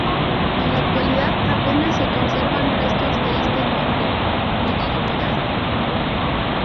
En la actualidad apenas se conservan restos de este nombre ni dignidad.